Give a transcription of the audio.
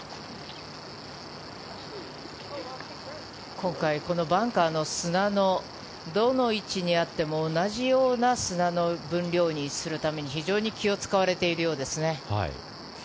今回このバンカーの砂のどの位置にあっても同じような砂の分量にするために非常に気を使われているようですね。